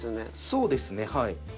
そうですねはい。